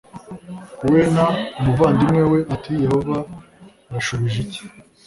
We n umuvandimwe we ati yehova yashubije iki